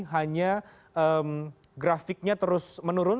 hanya grafiknya terus menurun